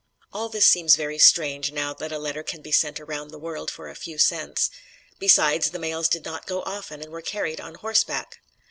All this seems very strange now that a letter can be sent around the world for a few cents. Besides, the mails did not go often and were carried on horseback.